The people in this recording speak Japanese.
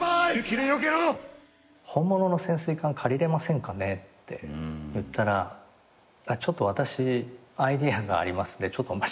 本物の潜水艦借りれませんかねって言ったら「私アイデアがありますんでちょっとお待ちください」って。